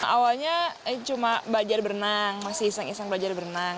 awalnya cuma belajar berenang masih iseng iseng belajar berenang